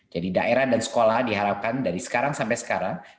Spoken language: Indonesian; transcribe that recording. jadi daerah dan sekolah diharapkan dari sekarang sampai sekarang